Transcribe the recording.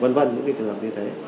v v những trường hợp như thế